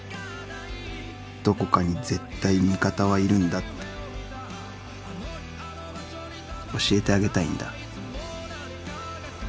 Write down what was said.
どこかに絶対味方はいるんだって教えてあげたいんだ。